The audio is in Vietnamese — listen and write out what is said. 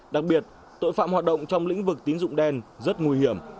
đặc biệt tội phạm hoạt động trong lĩnh vực tín dụng đen rất nguy hiểm